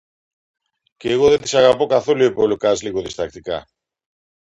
Κι εγώ δεν τις αγαπώ καθόλου, είπε ο Λουκάς λίγο δισταχτικά